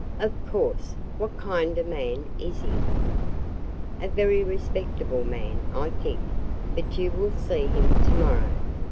"Of course. What kind of a man is he?" "A very respectable man, I think: but you will see him to morrow.